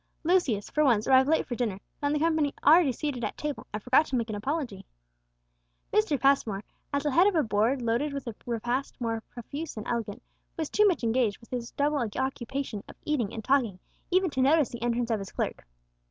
Lucius, for once, arrived late for dinner, found the company already seated at table, and forgot to make an apology. Mr. Passmore, at the head of a board loaded with a repast more profuse than elegant, was too much engaged with his double occupation of eating and talking even to notice the entrance of his clerk.